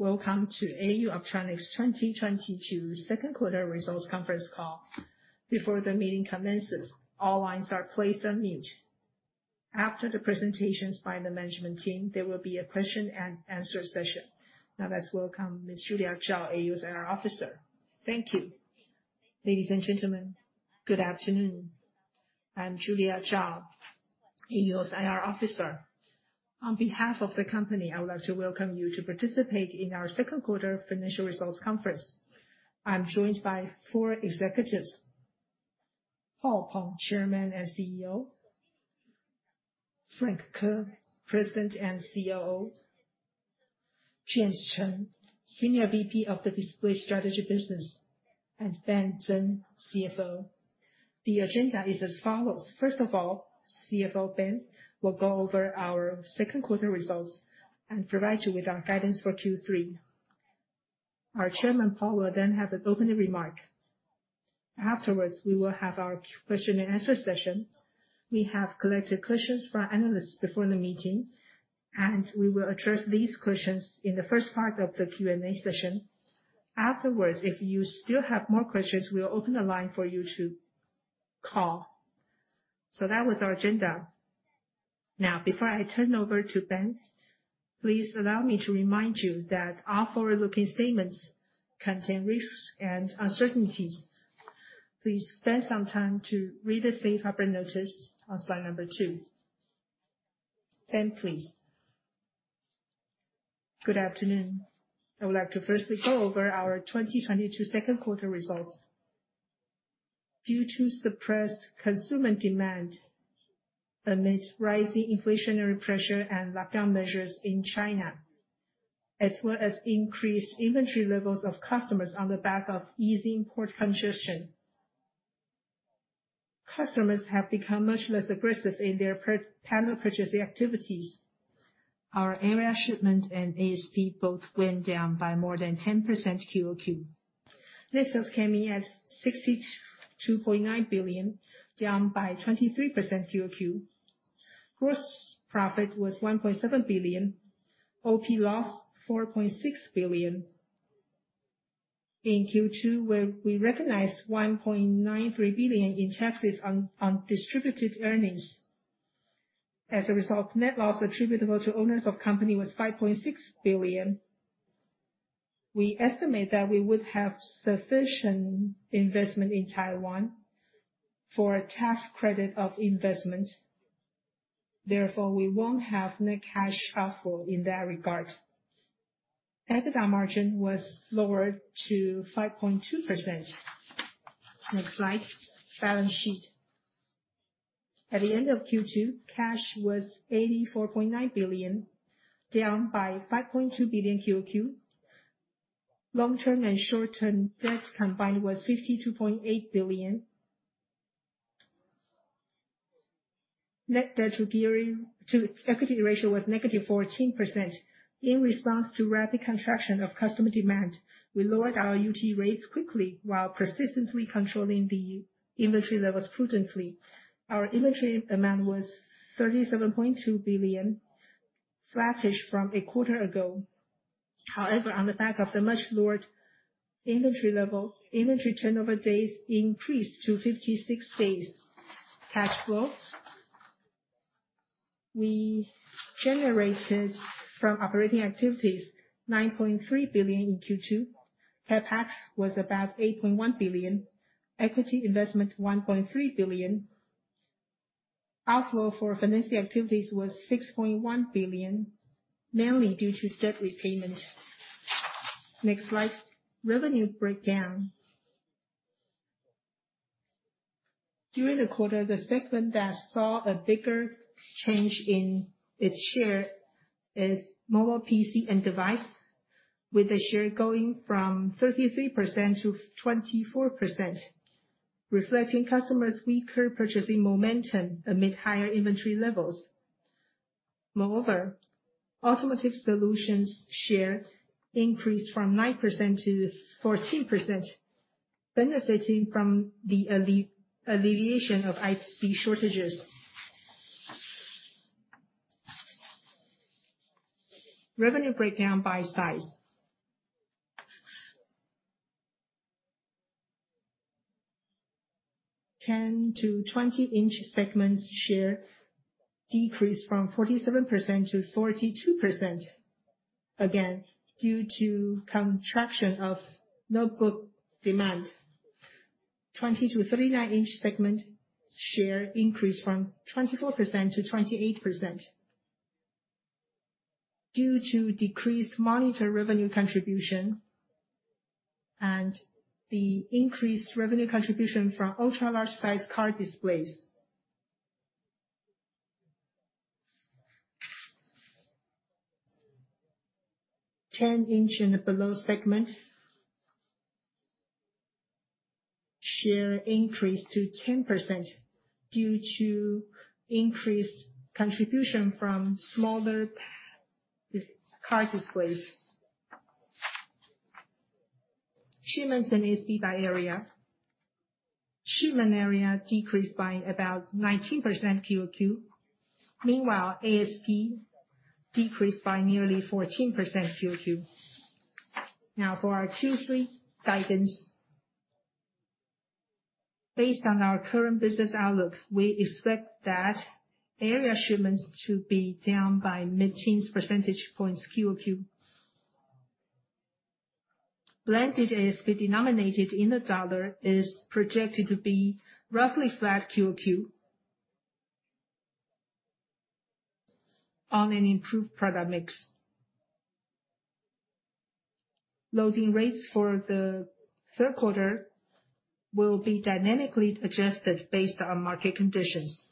Welcome to AU Optronics 2022 second quarter results conference call. Before the meeting commences, all lines are placed on mute. After the presentations by the management team, there will be a question and answer session. Now let's welcome Miss Julia Chao, AUO's IR officer. Thank you. Ladies and gentlemen, good afternoon. I'm Julia Chao, AUO's IR officer. On behalf of the company, I would like to welcome you to participate in our second quarter financial results conference. I am joined by four executives, Paul Peng, Chairman and CEO, Frank Ko, President and COO, James Chen, Senior VP of the Display Strategy Business, and Benjamin Tseng, CFO. The agenda is as follows. First of all, CFO Ben will go over our second quarter results and provide you with our guidance for Q3. Our chairman, Paul, will then have an opening remark. Afterwards, we will have our question and answer session. We have collected questions from analysts before the meeting, and we will address these questions in the first part of the Q&A session. Afterwards, if you still have more questions, we'll open the line for you to call. That was our agenda. Now, before I turn over to Ben, please allow me to remind you that all forward-looking statements contain risks and uncertainties. Please spend some time to read the safe harbor notice on slide number two. Ben, please. Good afternoon. I would like to firstly go over our 2022 second quarter results. Due to suppressed consumer demand amid rising inflationary pressure and lockdown measures in China, as well as increased inventory levels of customers on the back of easing port congestion, customers have become much less aggressive in their panel purchasing activities. Our area shipment and ASP both went down by more than 10% QOQ. Sales came in at 62.9 billion, down by 23% QoQ. Gross profit was 1.7 billion. OP loss, 4.6 billion. In Q2, where we recognized 1.93 billion in taxes on distributed earnings. As a result, net loss attributable to owners of company was 5.6 billion. We estimate that we would have sufficient investment in Taiwan for a tax credit of investment. Therefore, we won't have net cash outflow in that regard. EBITDA margin was lower to 5.2%. Next slide, balance sheet. At the end of Q2, cash was 84.9 billion, down by 5.2 billion QoQ. Long-term and short-term debt combined was 52.8 billion. Net debt to equity ratio was -14%. In response to rapid contraction of customer demand, we lowered our utilization rates quickly while persistently controlling the inventory levels prudently. Our inventory amount was 37.2 billion, flattish from a quarter ago. However, on the back of the much lowered inventory level, inventory turnover days increased to 56 days. Cash flow from operating activities was 9.3 billion in Q2. CapEx was about 8.1 billion. Equity investment was 1.3 billion. Outflow for financing activities was 6.1 billion, mainly due to debt repayment. Next slide, revenue breakdown. During the quarter, the segment that saw a bigger change in its share is mobile PC and device, with the share going from 33%-24%, reflecting customers' weaker purchasing momentum amid higher inventory levels. Moreover, automotive solutions share increased from 9%-14%, benefiting from the alleviation of IC shortages. Revenue breakdown by size. 10-20-inch segments share decreased from 47%-42%, again, due to contraction of notebook demand. 20-39-inch segment share increased from 24%-28% due to decreased monitor revenue contribution and the increased revenue contribution from ultra-large size car displays. 10-inch and below segment share increased to 10% due to increased contribution from smaller car displays. Shipments and ASP by area. Shipment area decreased by about 19% QOQ. Meanwhile, ASP decreased by nearly 14% QOQ. Now for our Q3 guidance. Based on our current business outlook, we expect that area shipments to be down by mid-teens percentage points QOQ. Blended ASP denominated in the dollar is projected to be roughly flat QOQ on an improved product mix. Loading rates for the third quarter will be dynamically adjusted based on market conditions.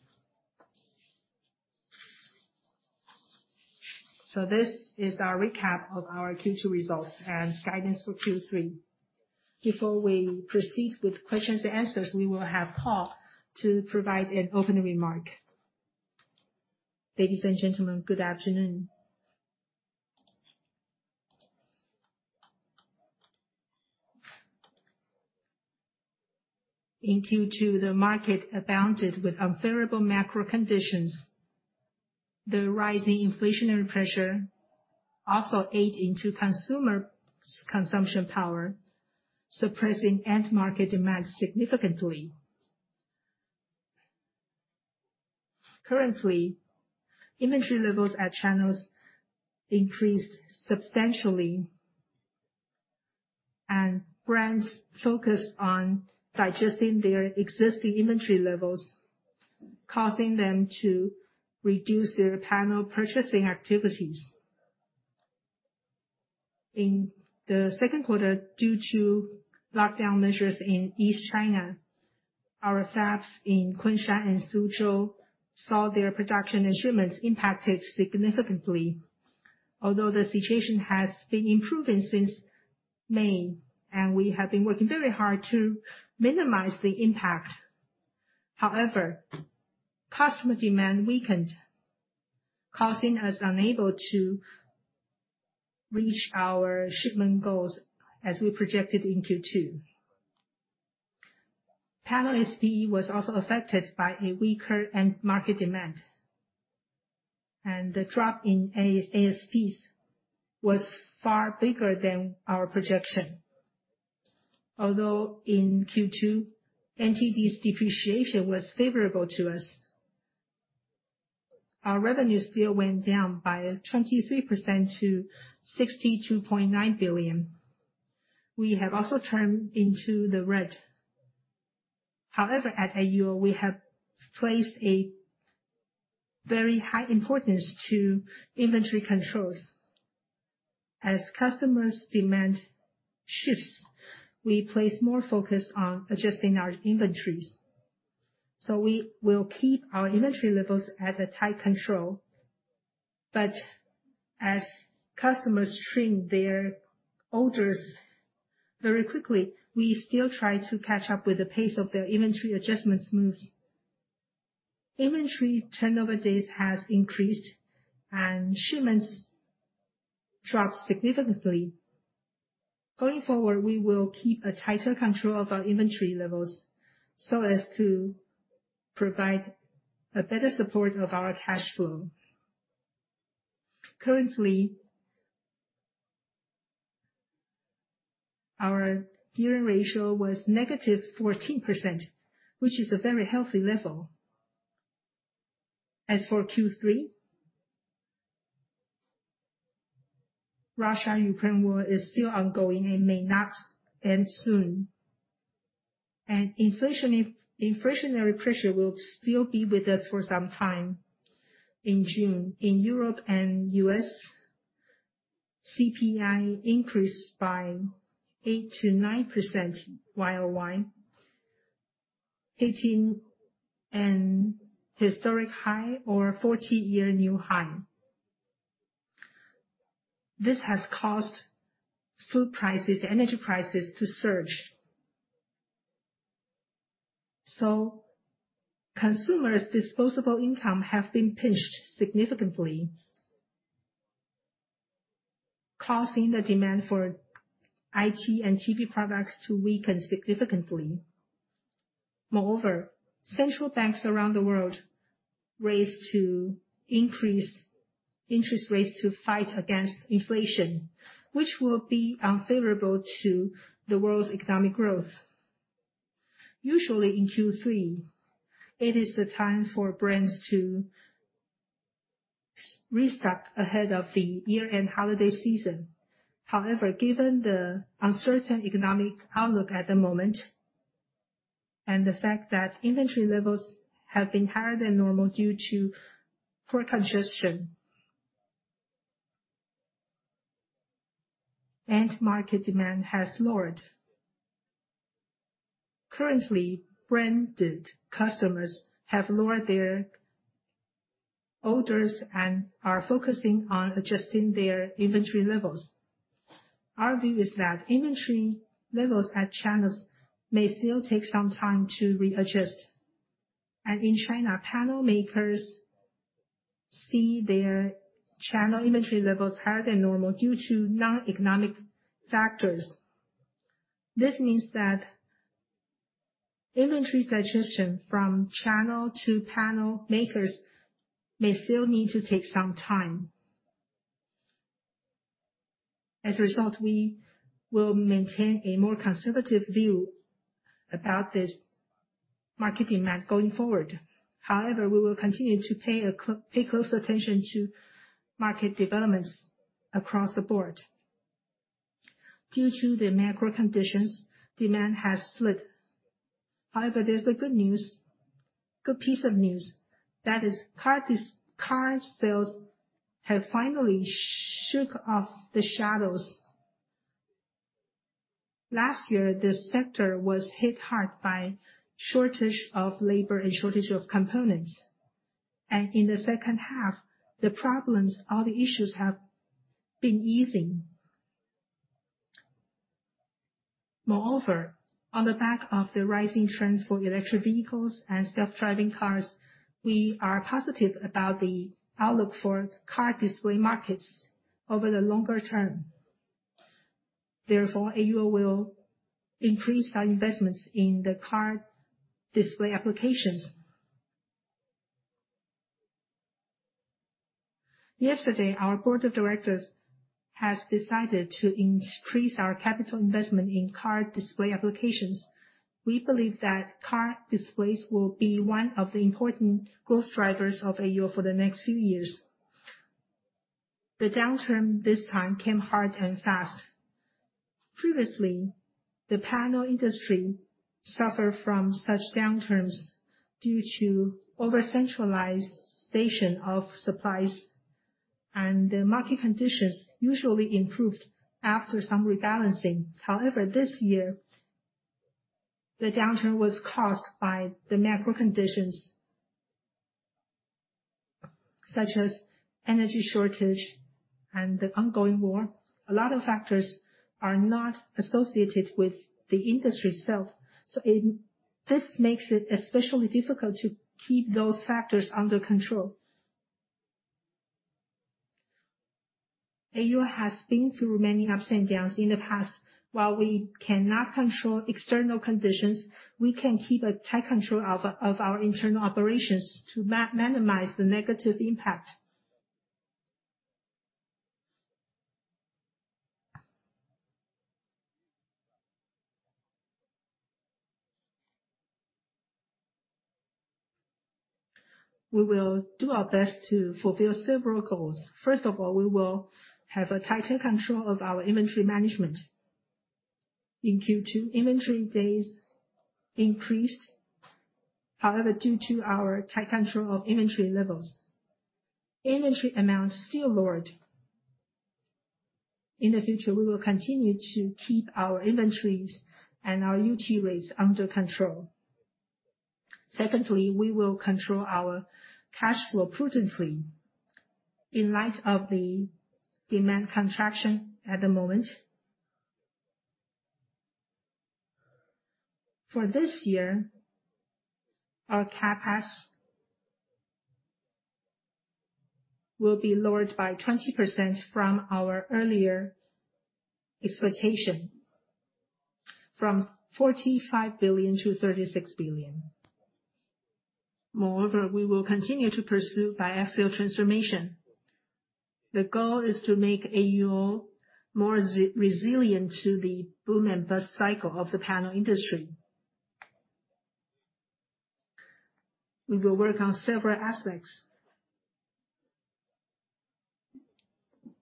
This is our recap of our Q2 results and guidance for Q3. Before we proceed with questions and answers, we will have Paul to provide an opening remark. Ladies and gentlemen, good afternoon. In Q2, the market abounded with unfavorable macro conditions. The rising inflationary pressure also ate into consumer's consumption power, suppressing end market demand significantly. Currently, inventory levels at channels increased substantially and brands focused on digesting their existing inventory levels, causing them to reduce their panel purchasing activities. In the second quarter, due to lockdown measures in East China, our fabs in Kunshan and Suzhou saw their production and shipments impacted significantly. Although the situation has been improving since May, and we have been working very hard to minimize the impact. However, customer demand weakened, causing us unable to reach our shipment goals as we projected in Q2. Panel ASP was also affected by a weaker end market demand, and the drop in ASPs was far bigger than our projection. Although in Q2, NTD's depreciation was favorable to us. Our revenue still went down by 23% to 62.9 billion. We have also turned into the red. However, at AUO, we have placed a very high importance to inventory controls. As customers' demand shifts, we place more focus on adjusting our inventories. We will keep our inventory levels at a tight control. As customers shrink their orders very quickly, we still try to catch up with the pace of their inventory adjustment smoothly. Inventory turnover days has increased and shipments dropped significantly. Going forward, we will keep a tighter control of our inventory levels so as to provide a better support of our cash flow. Currently, our gearing ratio was negative 14%, which is a very healthy level. As for Q3, Russia-Ukraine war is still ongoing and may not end soon. Inflationary pressure will still be with us for some time. In June, in Europe and U.S., CPI increased by 8%-9% YOY, hitting a historic high or 40-year new high. This has caused food prices, energy prices to surge. Consumers' disposable income have been pinched significantly, causing the demand for IT and TV products to weaken significantly. Moreover, central banks around the world raised to increase interest rates to fight against inflation, which will be unfavorable to the world's economic growth. Usually in Q3, it is the time for brands to restock ahead of the year-end holiday season. However, given the uncertain economic outlook at the moment and the fact that inventory levels have been higher than normal due to port congestion, and market demand has lowered. Currently, branded customers have lowered their orders and are focusing on adjusting their inventory levels. Our view is that inventory levels at channels may still take some time to readjust, and in China, panel makers see their channel inventory levels higher than normal due to non-economic factors. This means that inventory digestion from channel to panel makers may still need to take some time. As a result, we will maintain a more conservative view about this market demand going forward. However, we will continue to pay close attention to market developments across the board. Due to the macro conditions, demand has slipped. However, there's a good news, good piece of news, that is car display sales have finally shook off the shadows. Last year, the sector was hit hard by shortage of labor and shortage of components. In the second half, the problems, all the issues have been easing. Moreover, on the back of the rising trend for electric vehicles and self-driving cars, we are positive about the outlook for car display markets over the longer term. Therefore, AUO will increase our investments in the car display applications. Yesterday, our board of directors has decided to increase our capital investment in car display applications. We believe that car displays will be one of the important growth drivers of AUO for the next few years. The downturn this time came hard and fast. Previously, the panel industry suffered from such downturns due to over-centralization of supplies, and the market conditions usually improved after some rebalancing. However, this year, the downturn was caused by the macro conditions such as energy shortage and the ongoing war. A lot of factors are not associated with the industry itself, so this makes it especially difficult to keep those factors under control. AUO has been through many ups and downs in the past. While we cannot control external conditions, we can keep a tight control of our internal operations to minimize the negative impact. We will do our best to fulfill several goals. First of all, we will have a tighter control of our inventory management. In Q2, inventory days increased. However, due to our tight control of inventory levels, inventory amounts still lowered. In the future, we will continue to keep our inventories and our utilization rates under control. Secondly, we will control our cash flow prudently in light of the demand contraction at the moment. For this year, our CapEx will be lowered by 20% from our earlier expectation, from 45 billion-36 billion. Moreover, we will continue to pursue Biaxial Transformation. The goal is to make AUO more resilient to the boom and bust cycle of the panel industry. We will work on several aspects.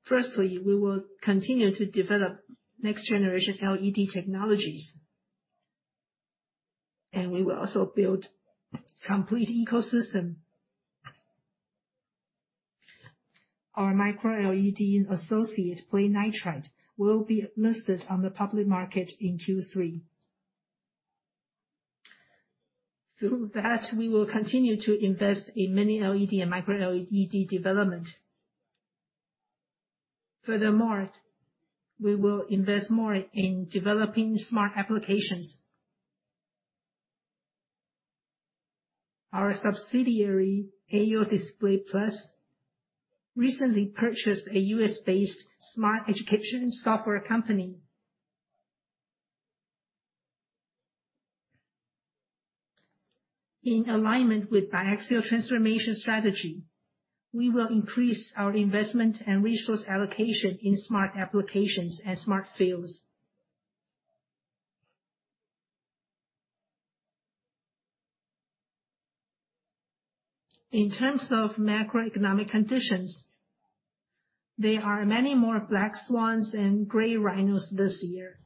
Firstly, we will continue to develop next-generation LED technologies, and we will also build complete ecosystem. Our Micro LED and associate PlayNitride will be listed on the public market in Q3. Through that, we will continue to invest in Mini LED and Micro LED development. Furthermore, we will invest more in developing smart applications. Our subsidiary, AUO Display Plus, recently purchased a U.S.-based smart education software company. In alignment with Biaxial Transformation strategy, we will increase our investment and resource allocation in smart applications and smart fields. In terms of macroeconomic conditions, there are many more black swans and gray rhinos this year.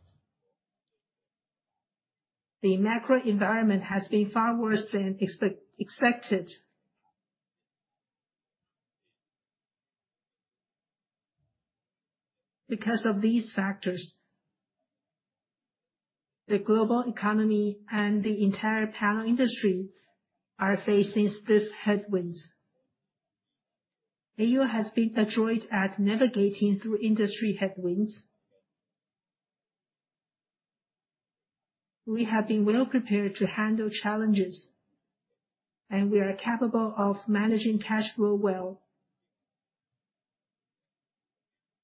The macro environment has been far worse than expected. Because of these factors, the global economy and the entire panel industry are facing stiff headwinds. AUO has been adroit at navigating through industry headwinds. We have been well prepared to handle challenges, and we are capable of managing cash flow well.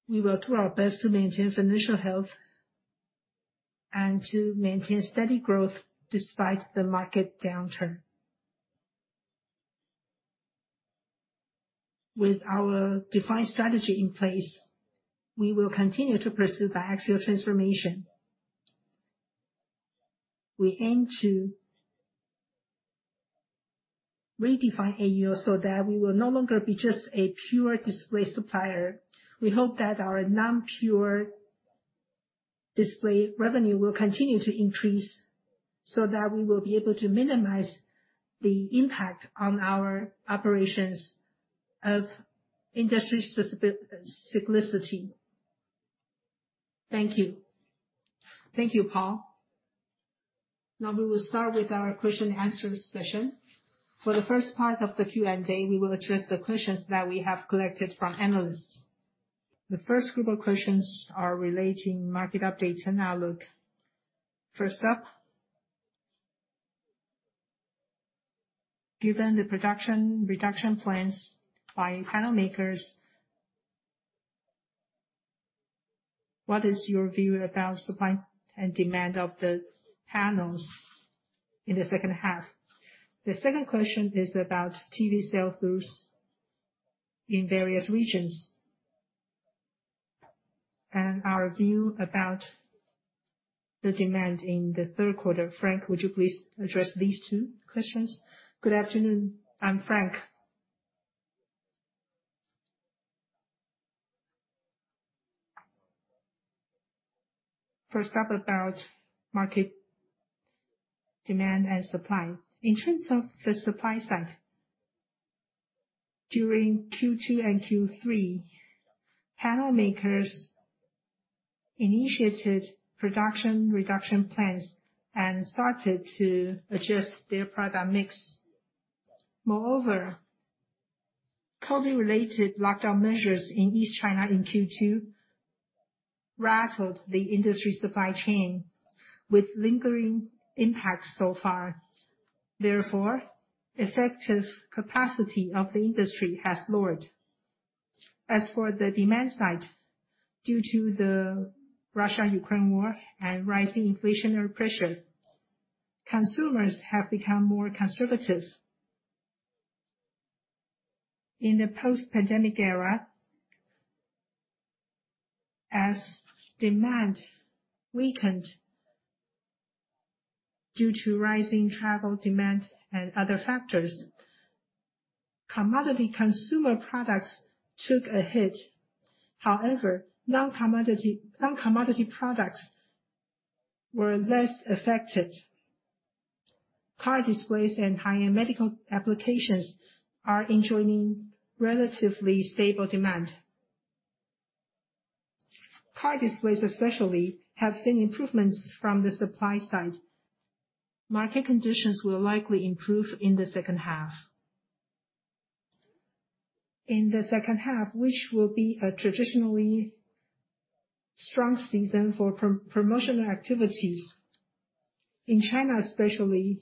We will do our best to maintain financial health and to maintain steady growth despite the market downturn. With our defined strategy in place, we will continue to pursue Biaxial Transformation. We aim to redefine AUO so that we will no longer be just a pure display supplier. We hope that our non-pure display revenue will continue to increase so that we will be able to minimize the impact on our operations of industry cyclicity. Thank you. Thank you, Paul. Now we will start with our question and answer session. For the first part of the Q&A, we will address the questions that we have collected from analysts. The first group of questions are relating market updates and outlook. First up, given the production reduction plans by panel makers, what is your view about supply and demand of the panels in the second half? The second question is about TV sell-throughs in various regions, and our view about the demand in the third quarter. Frank, would you please address these two questions? Good afternoon. I'm Frank. First up, about market demand and supply. In terms of the supply side, during Q2 and Q3, panel makers initiated production reduction plans and started to adjust their product mix. Moreover, COVID-related lockdown measures in East China in Q2 rattled the industry supply chain with lingering impacts so far. Therefore, effective capacity of the industry has lowered. As for the demand side, due to the Russia-Ukraine war and rising inflationary pressure, consumers have become more conservative. In the post-pandemic era, as demand weakened due to rising travel demand and other factors, commodity consumer products took a hit. However, non-commodity, non-commodity products were less affected. Car displays and high-end medical applications are enjoying relatively stable demand. Car displays especially have seen improvements from the supply side. Market conditions will likely improve in the second half. In the second half, which will be a traditionally strong season for promotional activities, in China especially,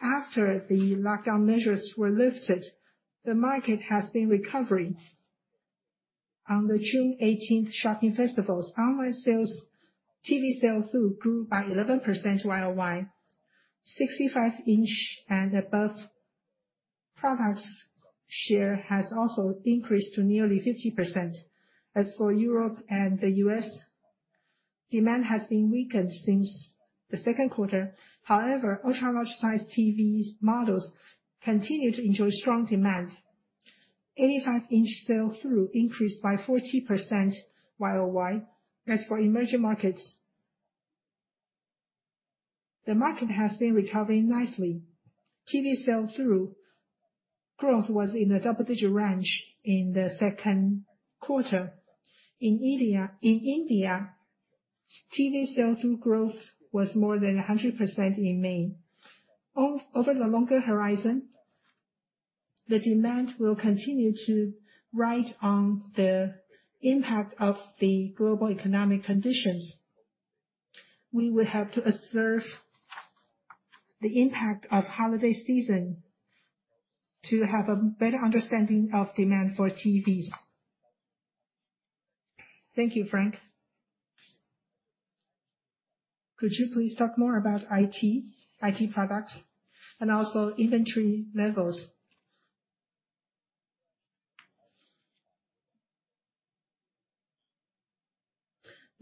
after the lockdown measures were lifted, the market has been recovering. On the 618 Shopping Festival, online sales, TV sell-through grew by 11% YoY. 65-inch and above products share has also increased to nearly 50%. As for Europe and the U.S., demand has been weakened since the second quarter. However, ultra-large-size TV models continue to enjoy strong demand. 85-inch sell-through increased by 40% YoY. As for emerging markets, the market has been recovering nicely. TV sell-through growth was in the double-digit range in the second quarter. In India, TV sell-through growth was more than 100% in May. Over the longer horizon, the demand will continue to ride on the impact of the global economic conditions. We will have to observe the impact of holiday season to have a better understanding of demand for TVs. Thank you, Frank. Could you please talk more about IT products and also inventory levels?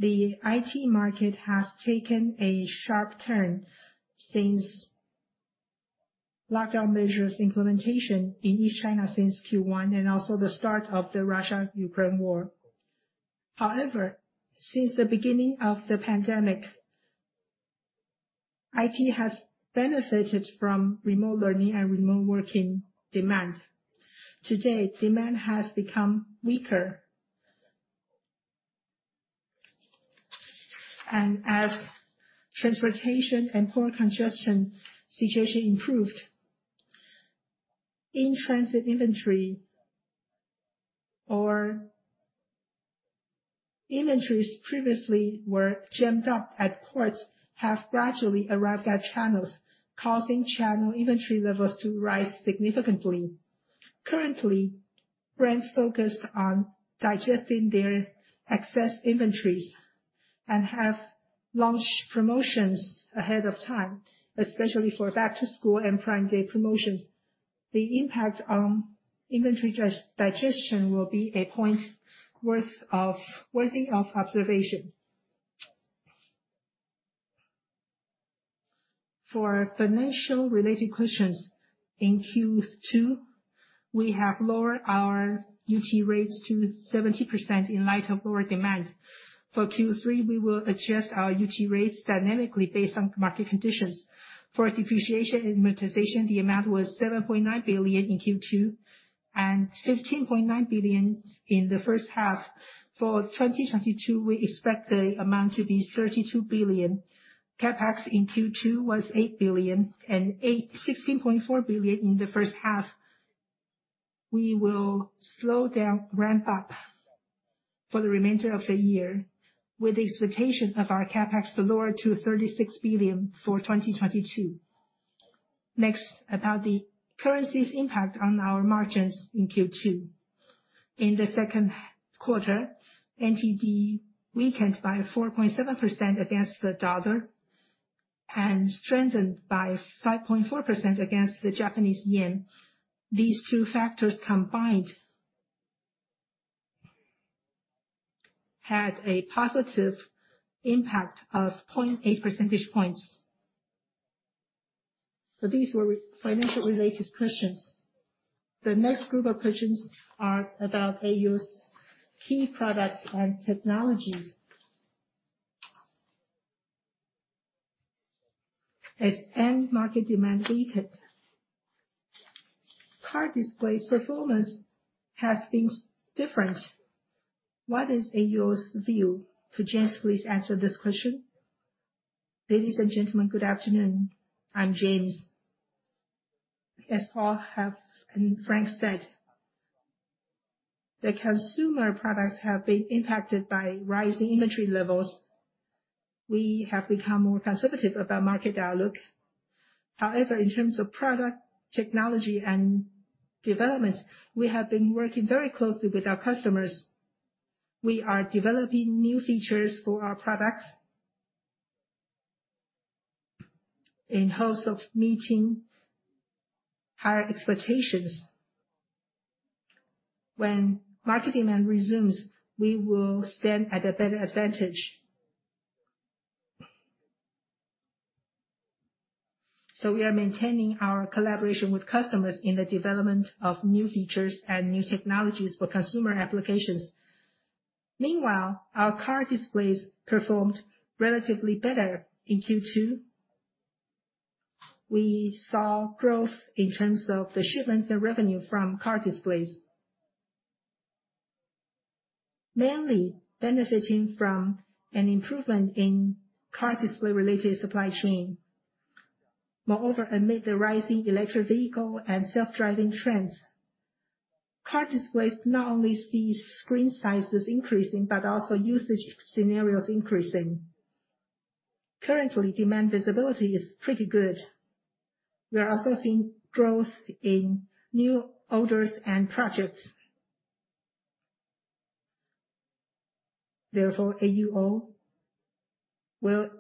The IT market has taken a sharp turn since lockdown measures implementation in East China since Q1, and also the start of the Russia-Ukraine war. However, since the beginning of the pandemic, IT has benefited from remote learning and remote working demand. Today, demand has become weaker. As transportation and port congestion situation improved. In transit inventory or inventories previously were jammed up at ports have gradually arrived at channels, causing channel inventory levels to rise significantly. Currently, brands focused on digesting their excess inventories and have launched promotions ahead of time, especially for back to school and Prime Day promotions. The impact on inventory digestion will be a point worthy of observation. For financial related questions, in Q2, we have lowered our utilization rates to 70% in light of lower demand. For Q3, we will adjust our utilization rates dynamically based on market conditions. For depreciation and amortization, the amount was 7.9 billion in Q2, and 15.9 billion in the first half. For 2022, we expect the amount to be 32 billion. CapEx in Q2 was 8.8 billion, 16.4 billion in the first half. We will slow down ramp up for the remainder of the year with the expectation of our CapEx to lower to 36 billion for 2022. Next, about the currency's impact on our margins in Q2. In the second quarter, NTD weakened by 4.7% against the dollar and strengthened by 5.4% against the Japanese yen. These two factors combined had a positive impact of 0.8 percentage points. These were financial related questions. The next group of questions are about AUO's key products and technologies. As end market demand weakened, car display performance has been different. What is AUO's view? Could James please answer this question? Ladies and gentlemen, good afternoon. I'm James. As Paul and Frank said, the consumer products have been impacted by rising inventory levels. We have become more conservative about market outlook. However, in terms of product technology and development, we have been working very closely with our customers. We are developing new features for our products in hopes of meeting higher expectations. When market demand resumes, we will stand at a better advantage. We are maintaining our collaboration with customers in the development of new features and new technologies for consumer applications. Meanwhile, our car displays performed relatively better in Q2. We saw growth in terms of the shipments and revenue from car displays. Mainly benefiting from an improvement in car display related supply chain. Moreover, amid the rising electric vehicle and self-driving trends, car displays not only see screen sizes increasing, but also usage scenarios increasing. Currently, demand visibility is pretty good. We are also seeing growth in new orders and projects. Therefore, AUO will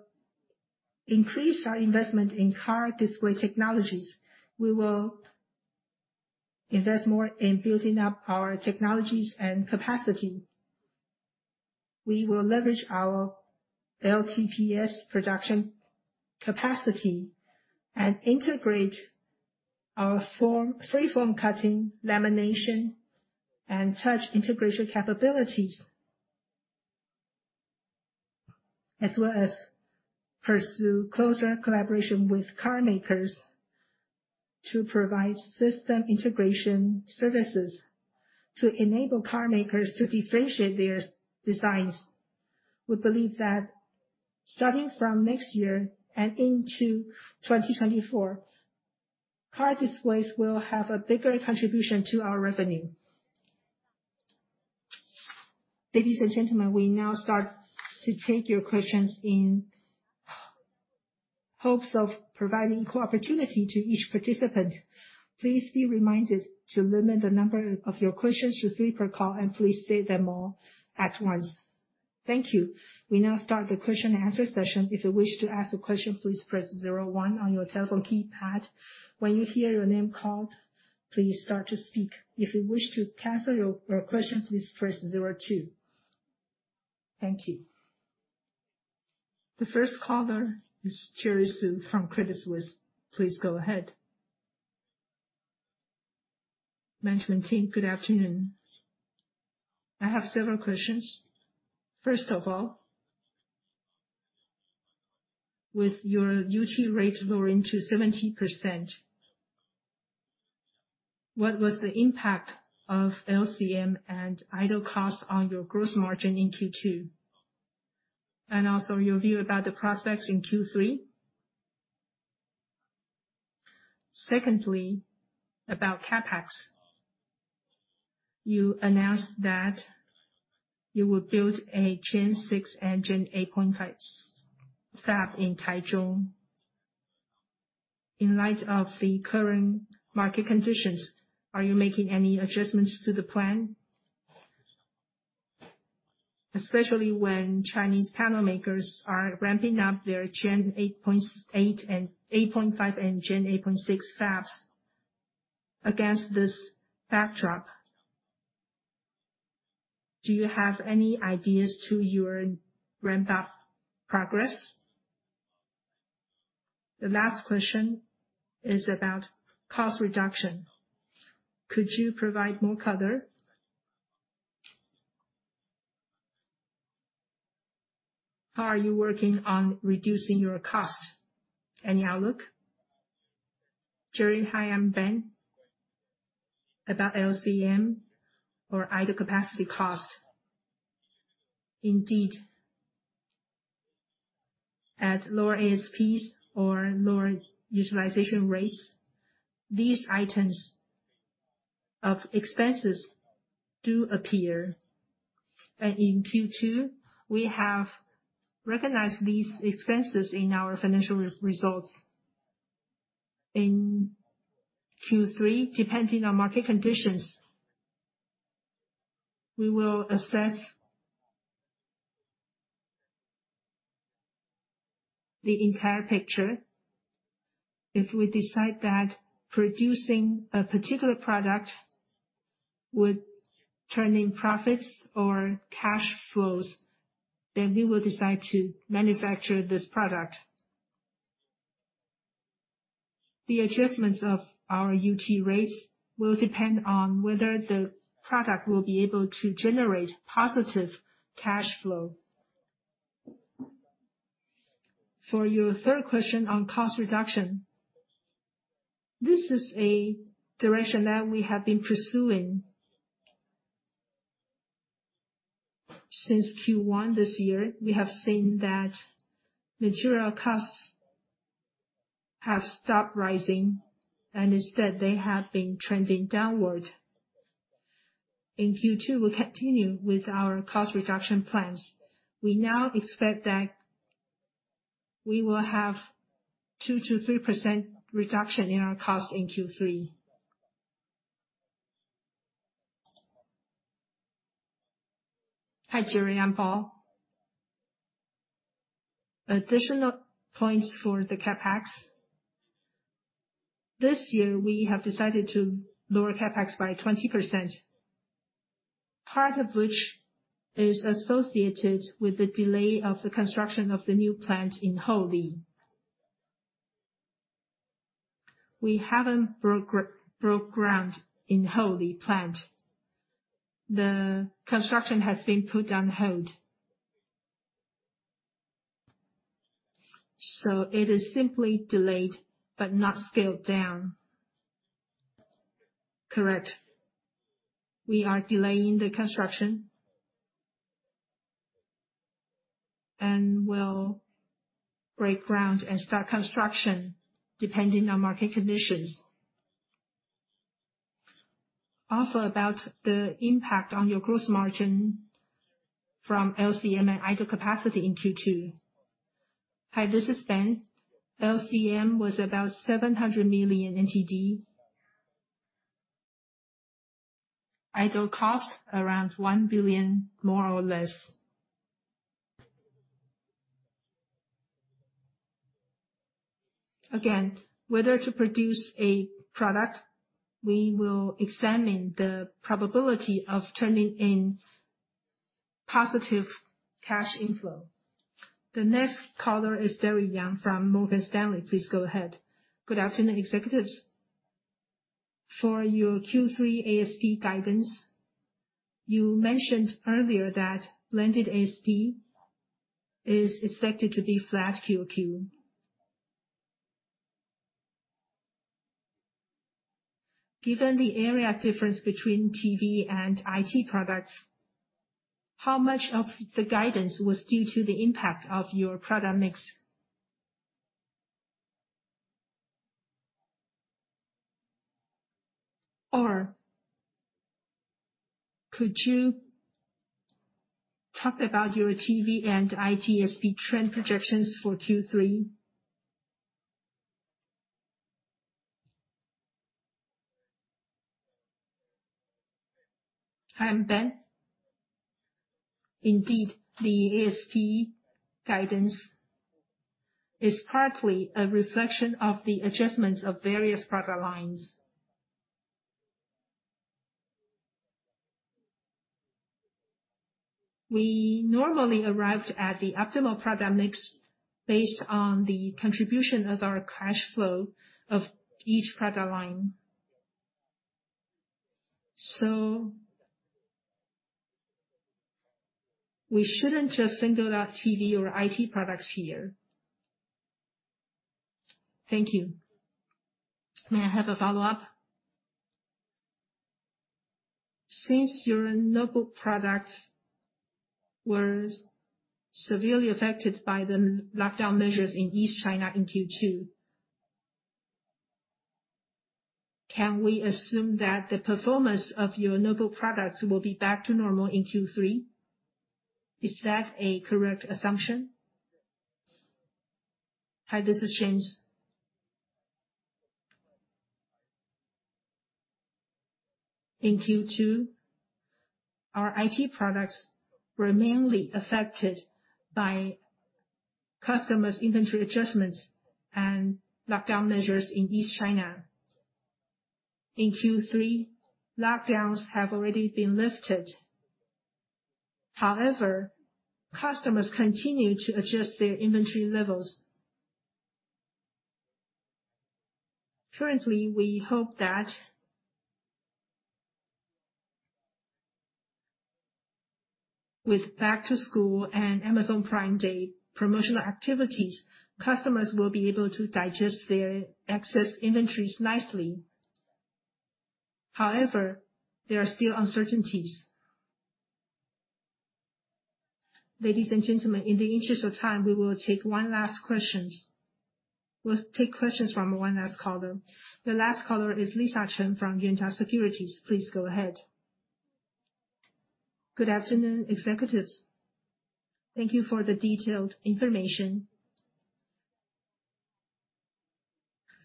increase our investment in car display technologies. We will invest more in building up our technologies and capacity. We will leverage our LTPS production capacity and integrate our free-form cutting, lamination, and touch integration capabilities. As well as pursue closer collaboration with car makers to provide system integration services to enable car makers to differentiate their designs. We believe that starting from next year and into 2024, car displays will have a bigger contribution to our revenue. Ladies and gentlemen, we now start to take your questions in hopes of providing equal opportunity to each participant. Please be reminded to limit the number of your questions to three per call, and please state them all at once. Thank you. We now start the question and answer session. If you wish to ask a question, please press zero one on your telephone keypad. When you hear your name called, please start to speak. If you wish to cancel your question, please press zero two. Thank you. The first caller is Jerry Su from Credit Suisse. Please go ahead. Management team, good afternoon. I have several questions. First of all, with your utilization rate lowering to 70%, what was the impact of LCM and idle cost on your gross margin in Q2? Also, your view about the prospects in Q3. Secondly, about CapEx. You announced that you will build a Gen 6 and Gen 8.5 fab in Taichung. In light of the current market conditions, are you making any adjustments to the plan? Especially when Chinese panel makers are ramping up their Gen 8.8 and 8.5 and Gen 8.6 fabs. Against this backdrop, do you have any ideas to your ramp-up progress? The last question is about cost reduction. Could you provide more color? How are you working on reducing your cost? Any outlook? Jerry. Hi, I'm Ben. About LCM or idle capacity cost. Indeed, at lower ASPs or lower utilization rates, these items of expenses do appear. In Q2, we have recognized these expenses in our financial results. In Q3, depending on market conditions, we will assess the entire picture. If we decide that producing a particular product would turn in profits or cash flows, then we will decide to manufacture this product. The adjustments of our utilization rates will depend on whether the product will be able to generate positive cash flow. For your third question on cost reduction, this is a direction that we have been pursuing. Since Q1 this year, we have seen that material costs have stopped rising, and instead they have been trending downward. In Q2, we continue with our cost reduction plans. We now expect that we will have 2%-3% reduction in our cost in Q3. Hi, Jerry. I'm Paul. Additional points for the CapEx. This year we have decided to lower CapEx by 20%, part of which is associated with the delay of the construction of the new plant in Houli. We haven't broke ground in Houli plant. The construction has been put on hold. It is simply delayed but not scaled down. Correct. We are delaying the construction. We'll break ground and start construction depending on market conditions. Also, about the impact on your gross margin from LCM and idle capacity in Q2. Hi, this is Ben. LCM was about NTD 700 million. Idle cost around NTD 1 billion, more or less. Again, whether to produce a product, we will examine the probability of turning in positive cash inflow. The next caller is Derrick Yang from Morgan Stanley. Please go ahead. Good afternoon, executives. For your Q3 ASP guidance, you mentioned earlier that blended ASP is expected to be flat QOQ. Given the area difference between TV and IT products, how much of the guidance was due to the impact of your product mix? Or could you talk about your TV and IT ASP trend projections for Q3? Hi, I'm Ben. Indeed, the ASP guidance is partly a reflection of the adjustments of various product lines. We normally arrived at the optimal product mix based on the contribution of our cash flow of each product line. We shouldn't just single out TV or IT products here. Thank you. May I have a follow-up? Since your notebook products were severely affected by the lockdown measures in East China in Q2, can we assume that the performance of your notebook products will be back to normal in Q3? Is that a correct assumption? Hi, this is James. In Q2, our IT products were mainly affected by customers' inventory adjustments and lockdown measures in East China. In Q3, lockdowns have already been lifted. However, customers continue to adjust their inventory levels. Currently, we hope that with back-to-school and Amazon Prime Day promotional activities, customers will be able to digest their excess inventories nicely. However, there are still uncertainties. Ladies and gentlemen, in the interest of time, we will take one last question. We'll take questions from one last caller. The last caller is Lisa Chen from Yuanta Securities. Please go ahead. Good afternoon, executives. Thank you for the detailed information.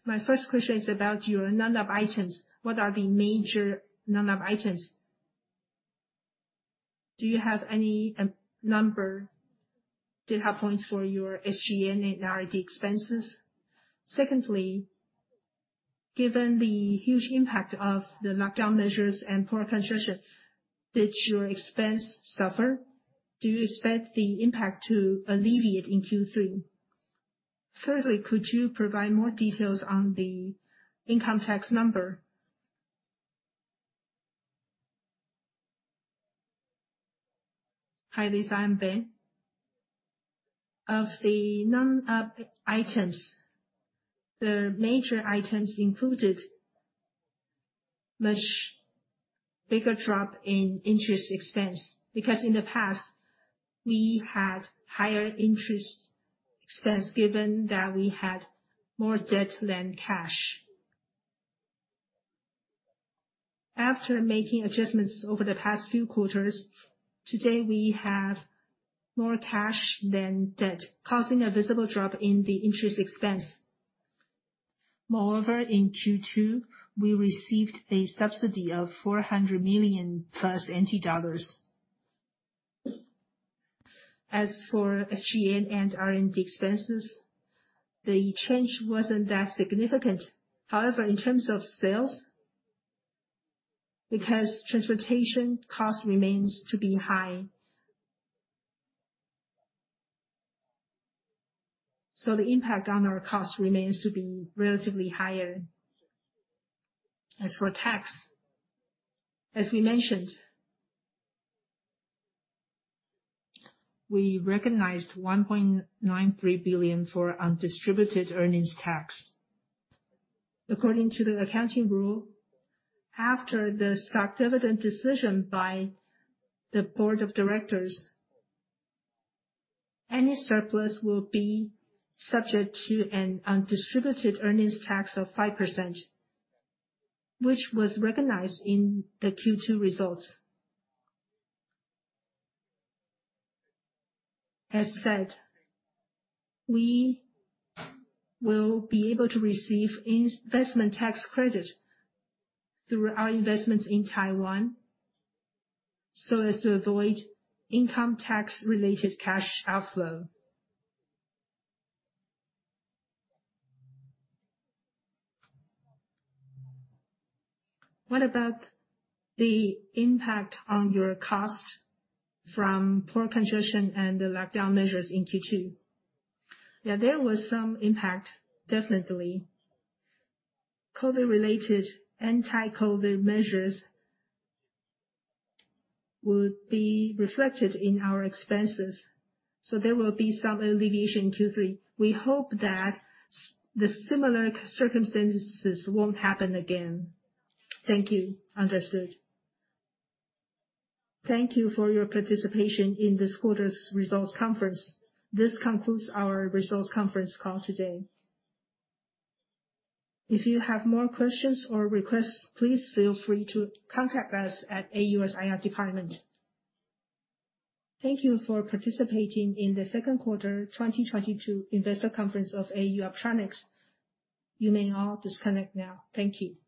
My first question is about your non-GAAP items. What are the major non-GAAP items? Do you have any number data points for your SG&A and R&D expenses? Secondly, given the huge impact of the lockdown measures and power consumption, did your expense suffer? Do you expect the impact to alleviate in Q3? Thirdly, could you provide more details on the income tax number? Hi, this is Ben. Of the non-GAAP items, the major items included much bigger drop in interest expense, because in the past, we had higher interest expense given that we had more debt than cash. After making adjustments over the past few quarters, today, we have more cash than debt, causing a visible drop in the interest expense. Moreover, in Q2, we received a subsidy of 400 million plus. As for SG&A and R&D expenses, the change wasn't that significant. However, in terms of sales, because transportation cost remains to be high, so the impact on our cost remains to be relatively higher. As for tax, as we mentioned, we recognized 1.93 billion for undistributed earnings tax. According to the accounting rule, after the stock dividend decision by the board of directors, any surplus will be subject to an undistributed earnings tax of 5%, which was recognized in the Q2 results. As said, we will be able to receive investment tax credit through our investments in Taiwan, so as to avoid income tax related cash outflow. What about the impact on your cost from port congestion and the lockdown measures in Q2? Yeah, there was some impact, definitely. COVID-related, anti-COVID measures would be reflected in our expenses, so there will be some alleviation in Q3. We hope that the similar circumstances won't happen again. Thank you. Understood. Thank you for your participation in this quarter's results conference. This concludes our results conference call today. If you have more questions or requests, please feel free to contact us at AUO's IR department. Thank you for participating in the second quarter 2022 investor conference of AU Optronics. You may all disconnect now. Thank you.